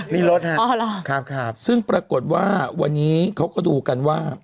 นี่รถฮะอ๋อเหรอครับซึ่งปรากฏว่าวันนี้เขาก็ดูกันว่า